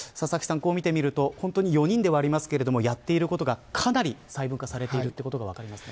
こう見てみると４人でありますけどやっていることがかなり細分化されていることが分かりますね。